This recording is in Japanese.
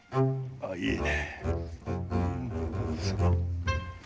あっいいね。